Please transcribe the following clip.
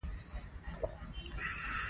دا درک ور سره نشته